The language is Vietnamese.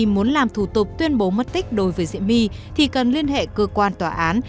muốn làm thủ tục tuyên bố mất tích đối với diễm thì cần liên hệ cơ quan tòa án